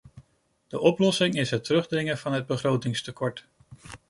De oplossing is het terugdringen van het begrotingstekort.